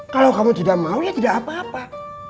kalau kamu tidak mau ya tidak apa apa